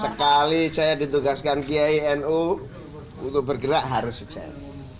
sekali saya ditugaskan ginu untuk bergerak harus sukses